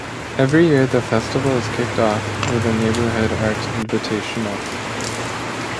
Every year the festival is kicked off with a neighborhood art invitational.